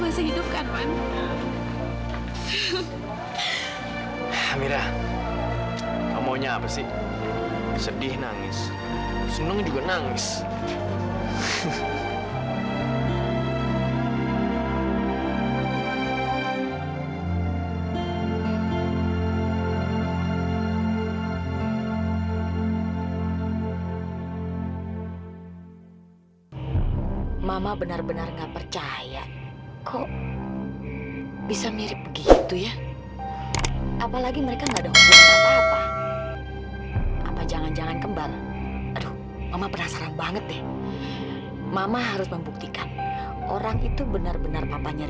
sampai jumpa di video selanjutnya